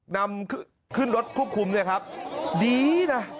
นำขึ้นรถควบคุมเนี่ยครับดีนะ